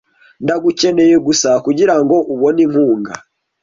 Ndagukeneye gusa kugirango ubone inkunga.